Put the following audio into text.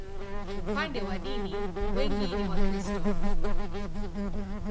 Upande wa dini, wengi ni Wakristo.